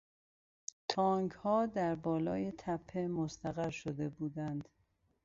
تانکها در بالای تپه مستقر شده بودند.